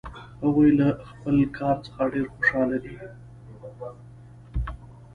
هغوی له خپل کار څخه ډېر خوشحال دي